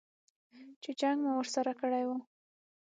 چې جنګ مو ورسره کړی و.